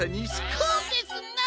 こうですな。